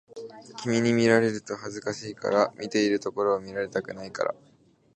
君に見られると恥ずかしいから、見ているところを見られたくないから